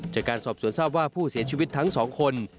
จากการสอบสวนทราบว่าผู้เสียชีวิตทั้งสองคน